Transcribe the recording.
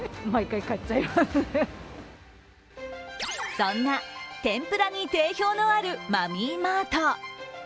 そんな天ぷらに定評のあるマミーマート。